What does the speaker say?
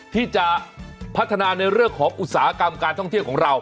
ที่จะพัฒนาในเรื่องของอุตสาหกรรมการท่องเที่ยวของเรา